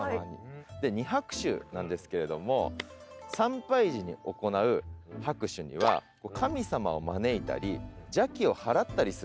で二拍手なんですけれども参拝時に行う拍手には神様を招いたり邪気をはらったりする意味が。